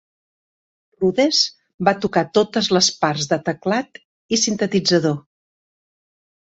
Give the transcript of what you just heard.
Rudess va tocar totes les parts de teclat i sintetitzador.